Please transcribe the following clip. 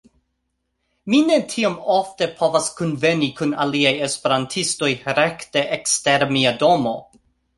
Mi ne tiom ofte povas kunveni kun aliaj esperantistoj rekte ekster mia domo.